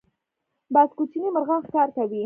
باز کوچني مرغان ښکار کوي